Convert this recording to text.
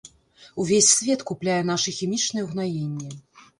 Увесь свет купляе нашы хімічныя ўгнаенні.